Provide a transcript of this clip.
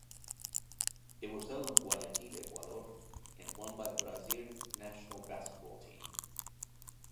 It was held in Guayaquil, Ecuador and won by the Brazil national basketball team.